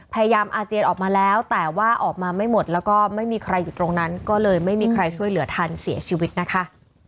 อาเจียนออกมาแล้วแต่ว่าออกมาไม่หมดแล้วก็ไม่มีใครอยู่ตรงนั้นก็เลยไม่มีใครช่วยเหลือทันเสียชีวิตนะคะ